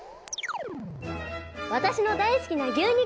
私の大好きな牛肉！